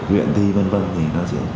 luyện thi v v thì nó sẽ